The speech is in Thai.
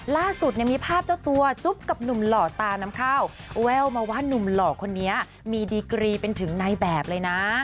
ล่าสุดเนี่ยมีภาพเจ้าตัวจุ๊บกับหนุ่มหล่อตาน้ำข้าวแววมาว่านุ่มหล่อคนนี้มีดีกรีเป็นถึงในแบบเลยนะ